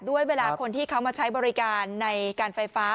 เวลาคนที่เขามาใช้บริการในการไฟฟ้า